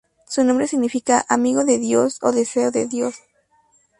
Su nombre significa "amigo de Dios" o "deseo de Dios".